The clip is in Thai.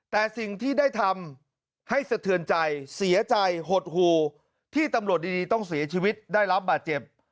แต่สิ่งที่ได้ทำให้สะเทือนใจเสียใจหดหูที่ตำรวจดีต้องเสียชีวิตได้รับบาดเจ็บ